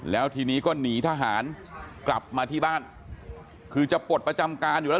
แล้วทีนี้ก็หนีทหารกลับมาที่บ้านคือจะปลดประจำการอยู่แล้ว